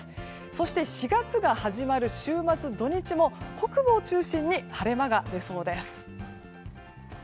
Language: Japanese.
そして４月始まる週末の土日も北部を中心に晴れ間が出そうです。